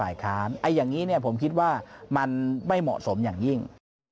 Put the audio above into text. อย่างนี้ผมคิดว่ามันไม่เหมาะสมอย่างยิ่ง